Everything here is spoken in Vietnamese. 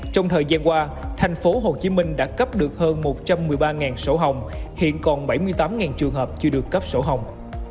trong thời gian qua tp hcm đã cấp được hơn một trăm một mươi ba sổ hồng hiện còn bảy mươi tám trường hợp chưa được cấp sổ hồng